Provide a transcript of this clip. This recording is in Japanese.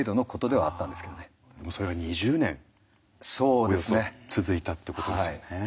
それが２０年およそ続いたってことですよね。